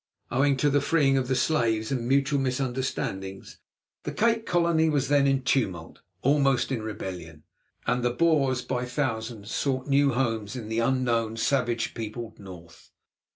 Owing to the freeing of the slaves and mutual misunderstandings, the Cape Colony was then in tumult, almost in rebellion, and the Boers, by thousands, sought new homes in the unknown, savage peopled North.